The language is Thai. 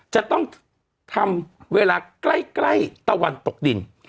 จะต้องทำเวลาใกล้ตะวันตกดิน